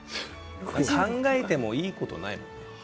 考えてもいいことがないもんね。